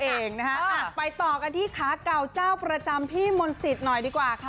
เองนะฮะไปต่อกันที่ขาเก่าเจ้าประจำพี่มนต์สิทธิ์หน่อยดีกว่าค่ะ